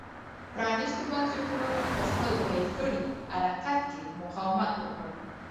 پرانېستو بنسټونو په خپل پیل کړي حرکت کې مقاومت وکړ.